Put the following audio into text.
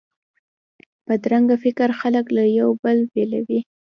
بدرنګه فکر خلک له یو بل بیلوي